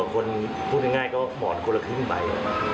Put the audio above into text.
คนพูดง่ายก็หมอดคนละคริ้มไป